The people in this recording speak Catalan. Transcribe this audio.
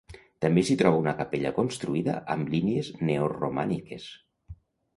També s'hi troba una capella construïda amb línies neoromàniques.